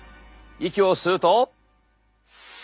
息を吸うと。